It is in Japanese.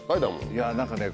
いや何かね